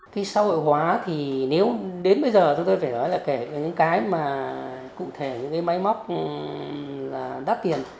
thì xã hội hóa thì nếu đến bây giờ tôi phải nói là kể những cái mà cụ thể những cái máy móc đắt tiền